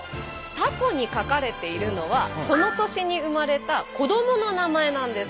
たこに書かれているのはその年に生まれた子どもの名前なんです。